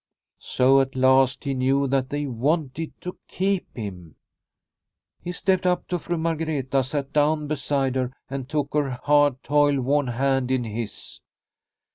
So, at last he knew that they wanted to keep 158 Liliecrona's Home him. He stepped up to Fru Margreta, sat down beside her and took her hard, toil worn hand in his.